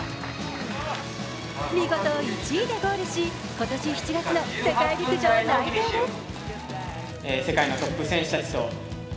見事１位でゴールし、今年７月の世界陸上内定です。